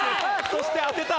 そして当てた！